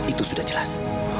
itu sudah jelas